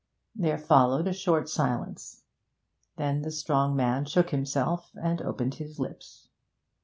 There followed a short silence, then the strong man shook himself and opened his lips.